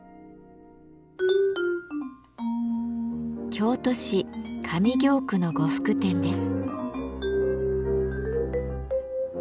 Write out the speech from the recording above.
京都市上京区の呉服店です。